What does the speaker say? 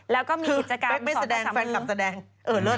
คือเป๊กไม่แสดงแฟนคลับแสดงเออเลิศ